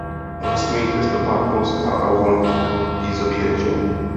Musíme jít ve stopách Polska a uvolnit vízový režim.